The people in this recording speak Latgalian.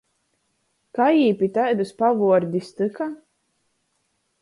Kai jī pi taidys pavuordis tyka?